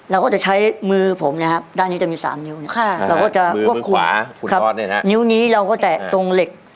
เราก็จะใช้มือผมนะครับด้านนี้จะมี๓นิ้วเราก็จะควบคุมนิ้วนี้เราก็แตะตรงเหล็ก